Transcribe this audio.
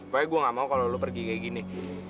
pokoknya gue gak mau kalo lu pergi kayak gini